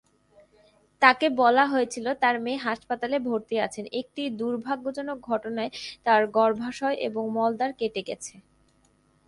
তাঁকে বলা হয়েছিল তাঁর মেয়ে হাসপাতালে ভর্তি আছেন, "একটি দুর্ভাগ্যজনক দুর্ঘটনায় তাঁর গর্ভাশয় এবং মলদ্বার ফেটে গেছে।"